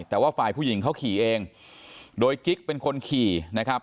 แต่ว่าฝ่ายผู้หญิงเขาขี่เองโดยกิ๊กเป็นคนขี่นะครับ